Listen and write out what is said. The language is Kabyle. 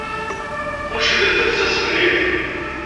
Kullec yella-d d afessas mliḥ.